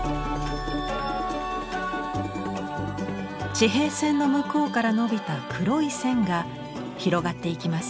地平線の向こうから伸びた黒い線が広がっていきます。